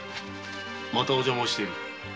またお邪魔をしている。